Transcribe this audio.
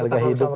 harga hidup kali